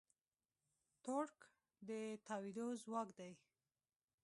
تورک د تاوېدو ځواک دی.